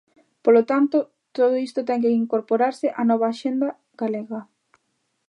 Polo tanto, todo isto ten que incorporarse á nova Axenda galega.